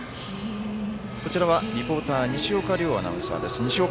こちらは、リポーター西岡遼アナウンサーです。